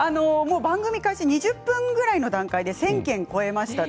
番組開始２０分の段階で１０００件、超えました。